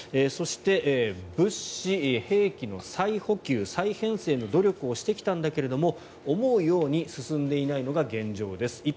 そして、物資、兵器の再補給再編成の努力をしてきたんだけど思うように進んでいないのが現状です。